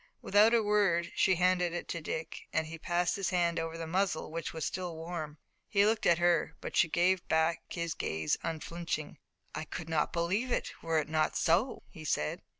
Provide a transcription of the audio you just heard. Without a word she handed it to Dick and he passed his hand over the muzzle, which was still warm. He looked at her, but she gave back his gaze unflinching. "I could not believe it, were it not so," he said.